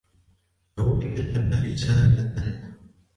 هو كتب رسالةً.